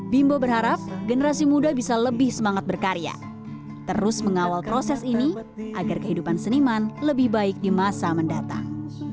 bimbo berharap generasi muda bisa lebih semangat berkarya terus mengawal proses ini agar kehidupan seniman lebih baik di masa mendatang